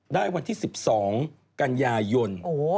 ได้วันที่๑๒กันยายน